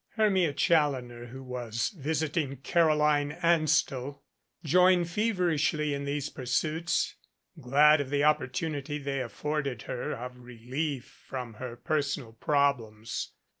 Hermia Challoner, who was visiting Caroline Anstell, joined feverishly in these pursuits, glad of the oppor tunity they afforded her of relief from her personal prob lems.